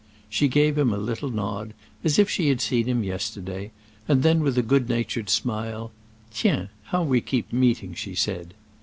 She gave him a little nod, as if she had seen him yesterday, and then, with a good natured smile, "Tiens, how we keep meeting!" she said.